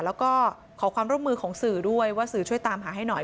แล้วก็ขอความร่วมมือของสื่อด้วยว่าสื่อช่วยตามหาให้หน่อย